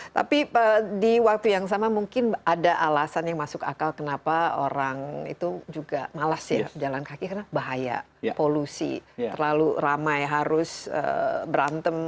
tapi di waktu yang sama mungkin ada alasan yang masuk akal kenapa orang itu juga malas ya jalan kaki karena bahaya polusi terlalu ramai harus berantem